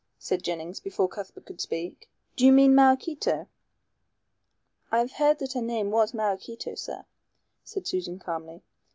said Jennings, before Cuthbert could speak. "Do you mean Maraquito?" "I have heard that her name was Maraquito, sir," said Susan calmly.